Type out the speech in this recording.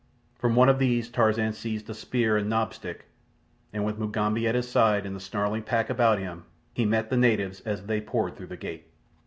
From one of these Tarzan seized a spear and knob stick, and with Mugambi at his side and the snarling pack about him, he met the natives as they poured through the gate.